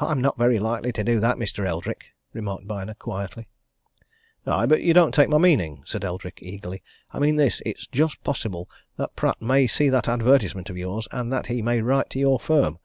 "I'm not very likely to do that, Mr. Eldrick," remarked Byner quietly. "Aye, but you don't take my meaning," said Eldrick eagerly. "I mean this it's just possible that Pratt may see that advertisement of yours, and that he may write to your firm.